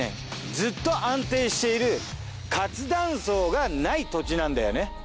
ずっと安定している活断層がない土地なんだよね。